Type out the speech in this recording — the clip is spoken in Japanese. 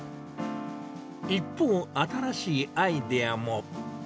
一方、新しいアイデアも。